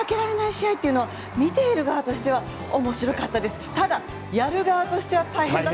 もう絶対に負けられない試合っていうの見ている側としては面白かったです。